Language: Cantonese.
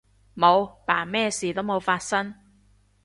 冇，扮咩事都冇發生